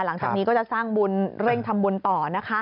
หลังจากนี้ก็จะสร้างบุญเร่งทำบุญต่อนะคะ